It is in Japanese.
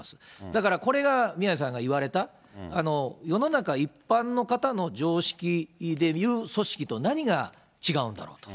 だからこれが宮根さんが言われた、世の中一般の方の常識でいう組織と、何が違うんだろうと。